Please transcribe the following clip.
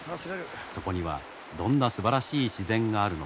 そこにはどんなすばらしい自然があるのか。